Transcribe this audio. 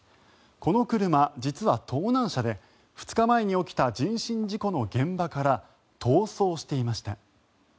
この車、実は盗難車で２日前に起きた人身事故の現場から逃走していました。